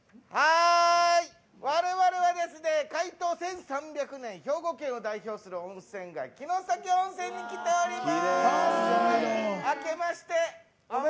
我々は開湯１３００年兵庫県を代表する温泉街城崎温泉に来ております。